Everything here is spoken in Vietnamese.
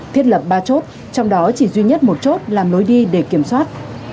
thiết lập ba chốt trong đó chỉ duy nhất một chốt làm lối đi để kiểm soát